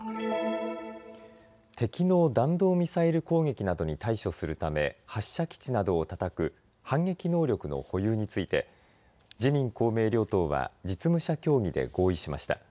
敵の弾道ミサイル攻撃などに対処するため発射基地などをたたく反撃能力の保有について自民公明両党は実務者協議で合意しました。